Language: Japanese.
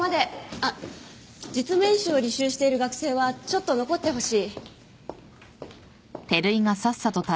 あっ実務演習を履修している学生はちょっと残ってほしい。